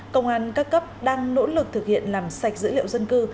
công an các cấp đang nỗ lực thực hiện làm sạch dữ liệu dân cư